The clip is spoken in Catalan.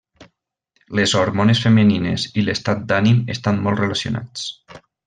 Les hormones femenines i l'estat d'ànim estan molt relacionats.